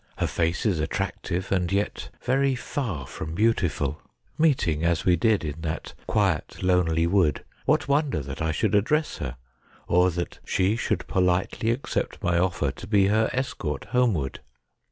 Her face is attractive, and yet very far from beautiful. Meeting, as we did, in that quiet, lonely wood, what wonder that I should address her, or that she should politely accept my offer to be her escort homeward